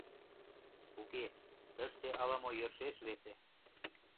Уке, тыште ала-мо йӧршеш весе.